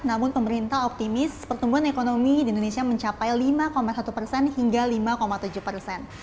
namun pemerintah optimis pertumbuhan ekonomi di indonesia mencapai lima satu persen hingga lima tujuh persen